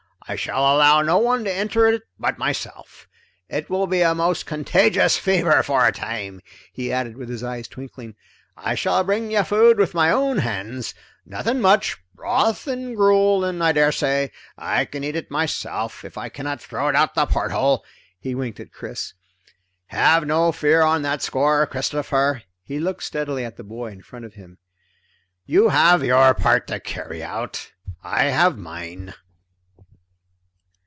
I shall allow no one to enter it but myself. It will be a most contagious fever for a time," he added with his eyes twinkling. "I shall bring you food with my own hands. Nothing much broth and gruel, and I daresay I can eat it myself if I cannot throw it out the porthole!" He winked at Chris. "Have no fear on that score, Christopher." He looked steadily at the boy in front of him. "You have your part to carry out, I have mine."